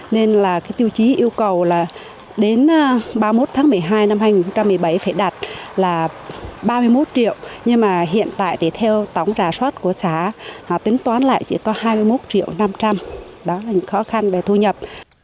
nên là cái tiêu chí yêu cầu là đến ba mươi một tháng một mươi hai năm hai nghìn một mươi bảy phải đạt là ba mươi một triệu nhưng mà hiện tại thì theo tổng trà soát của xã tính toán lại chỉ có hai mươi một triệu năm trăm linh đó là những khó khăn về thu nhập